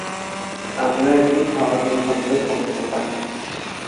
আমরা একটি ধরন রূপান্তর করতে পারি